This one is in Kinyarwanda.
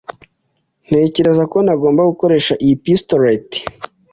Nizere ko ntagomba gukoresha iyi pistolet.